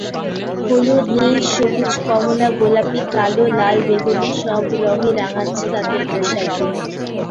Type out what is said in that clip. হলুদ, নীল, সবুজ, কমলা, গোলাপি, কালো, লাল, বেগুনি—সব রংই রাঙাচ্ছে তাদের পোশাকগুলো।